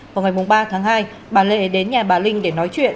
vào ngày ba tháng hai bà lệ đến nhà bà linh để nói chuyện